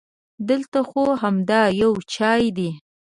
دلته خو همدا یو چای دی.